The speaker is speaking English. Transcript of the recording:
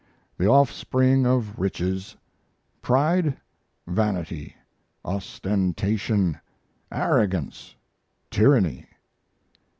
The offspring of riches: Pride, vanity, ostentation, arrogance, tyranny.